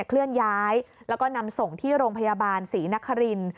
เคลื่อนย้ายแล้วก็นำส่งที่โรงพยาบาลศรีนคริน